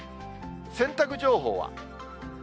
洗濯情報は。